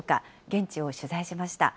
現地を取材しました。